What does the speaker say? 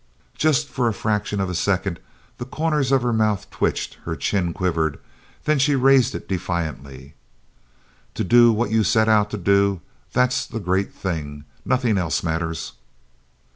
Just for the fraction of a second the corners of her mouth twitched, her chin quivered then she raised it defiantly: "To do what you set out to do that's the great thing. Nothing else matters."